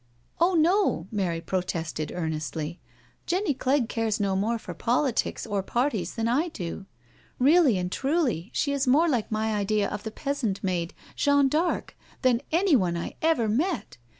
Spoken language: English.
"Oh no "— Mary protested earnestly —" Jenny Clegg cares no more for politics or parties than I do. Really and truly she is more like my idisa of the peasant maid, Jeanne d'Arc, than anyone I ever met.